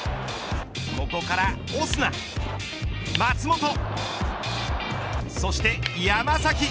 ここからオスナ松本そして山崎。